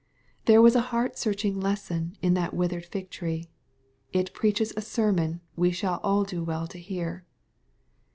'* There was a heart searching lesson in that withered fig tree. It preaches a sermon we shall all do well to hear.